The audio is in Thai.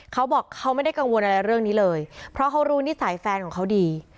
เขาบอกเขาไม่ได้กังวลอะไรเรื่องนี้เลยเพราะเขารู้นิสัยแฟนของเขาดี